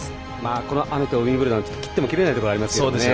この雨とウィンブルドンは切っても切れないところがありますよね。